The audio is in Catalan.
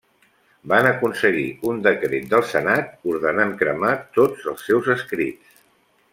Van aconseguir un decret del senat ordenant cremar tots els seus escrits.